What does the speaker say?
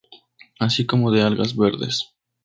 Así como de algas verdes.